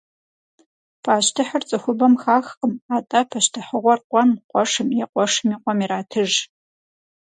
Пащтыхьыр цӏыхубэм хахкъым, атӏэ пащтыхьыгъуэр къуэм, къуэшым е къуэшым и къуэм иратыж.